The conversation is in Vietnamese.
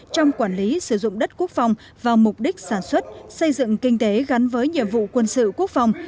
trong quản lý sử dụng đất quốc phòng vào mục đích sản xuất xây dựng kinh tế gắn với nhiệm vụ quân sự quốc phòng